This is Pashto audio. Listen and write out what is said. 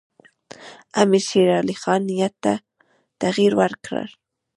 امیرشیرعلي خان نیت ته تغییر ورکړ.